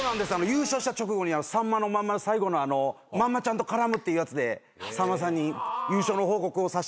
優勝した直後に『さんまのまんま』の最後のまんまちゃんと絡むってやつでさんまさんに優勝の報告をさせていただいて。